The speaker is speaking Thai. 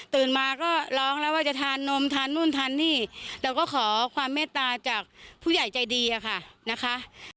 มาก็ร้องแล้วว่าจะทานนมทานนู่นทานนี่เราก็ขอความเมตตาจากผู้ใหญ่ใจดีอะค่ะนะคะ